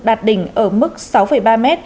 đạt đỉnh ở mức sáu ba m